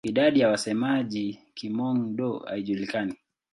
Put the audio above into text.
Idadi ya wasemaji wa Kihmong-Dô haijulikani.